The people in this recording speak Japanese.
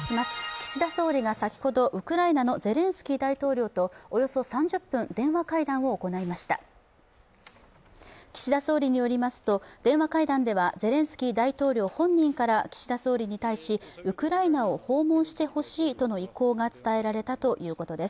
岸田総理が先ほどウクライナのゼレンスキー大統領とおよそ３０分、電話会談を行いました団ではゼレンスキー大統領本人から岸田総理に対しウクライナを訪問してほしいとの意向が伝えられたということです。